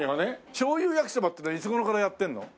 醤油焼きそばってのはいつ頃からやってんの？